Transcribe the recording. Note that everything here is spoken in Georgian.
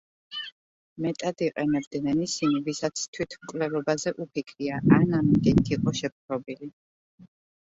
მეტად იყენებდნენ ისინი, ვისაც თვითმკვლელობაზე უფიქრია, ან ამ იდეით იყო შეპყრობილი.